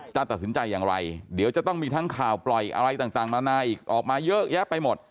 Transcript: ตัดสินใจอย่างไรเดี๋ยวจะต้องมีทั้งข่าวปล่อยอะไรต่างนานาอีกออกมาเยอะแยะไปหมด